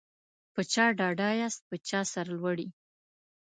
په چا ډاډه یاست په چا سرلوړي